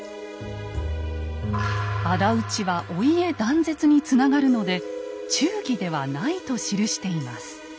「あだ討ちはお家断絶につながるので忠義ではない」と記しています。